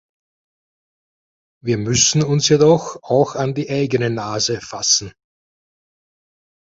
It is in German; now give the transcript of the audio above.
Wir müssen uns jedoch auch an die eigene Nase fassen.